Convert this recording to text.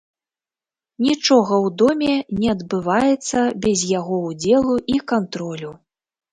Нічога ў доме не адбываецца без яго ўдзелу і кантролю.